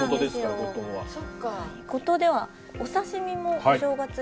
五島ではお刺身もお正月に。